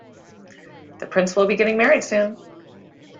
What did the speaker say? The prince will be getting married soon.